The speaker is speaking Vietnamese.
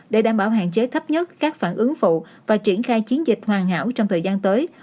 để đảm bảo hạn chế thấp nhất các phản ứng phụ và triển khai chiến dịch hoàn hảo trong thời gian tới